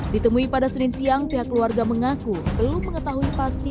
ditemui pada senin siang pihak keluarga mengaku belum mengetahui pasti